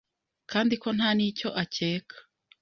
kandi ko nta n’icyo acyeka